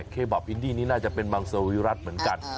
เคบับอินดี้นี้น่าจะเป็นมังสวิรัติเหมือนกัน